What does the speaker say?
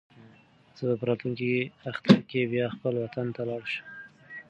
زه به په راتلونکي اختر کې بیا خپل وطن ته لاړ شم.